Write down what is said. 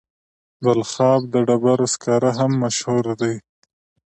د بلخاب د ډبرو سکاره هم مشهور دي.